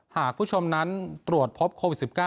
หากผู้ชมนั้นตรวจพบโควิด๑๙